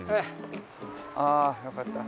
ああよかった。